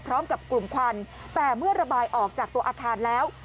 พร้อมกับกลุ่มควันแต่เมื่อระบายออกจากตัวอาคารแล้ว